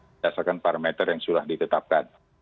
berdasarkan parameter yang sudah ditetapkan